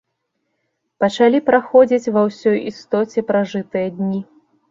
Пачалі праходзіць ва ўсёй істоце пражытыя дні.